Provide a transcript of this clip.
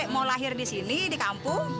mau lahir di sini di kampung